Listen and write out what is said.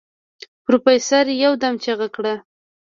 پروفيسر يودم چيغه کړه.